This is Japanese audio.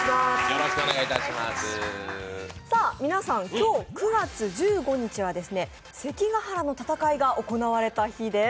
皆さん、今日９月１５日は関ヶ原の戦いが行われた日です。